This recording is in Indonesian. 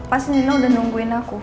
pasti nilo udah nungguin aku